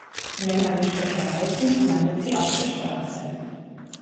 Wenn alle Stricke reißen, landet sie auf der Straße.